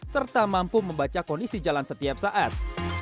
serta mampu membaca kondisi jalan setiap saat